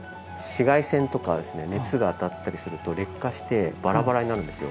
紫外線とか熱が当たったりすると劣化してバラバラになるんですよ